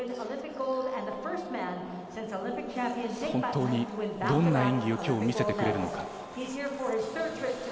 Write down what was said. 本当にどんな演技を今日、見せてくれるのか？